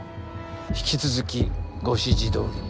引き続きご指示どおりに。